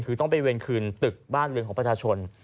คือต้องไปเวรคืนตึกบ้านเรือนของประชาชน